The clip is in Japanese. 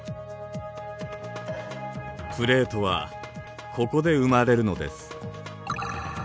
プレートはここで生まれるのです。